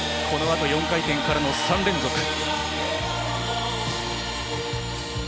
このあと４回転からの３連続。